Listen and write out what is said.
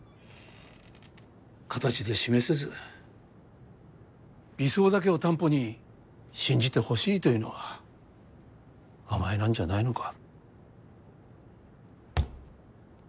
形で示せず理想だけを担保に信じてほしいというのは甘えなんじゃないのか？